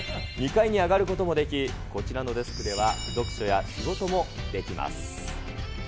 ２階に上がることもでき、こちらのデスクでは読書や仕事もできます。